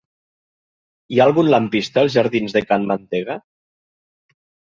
Hi ha algun lampista als jardins de Can Mantega?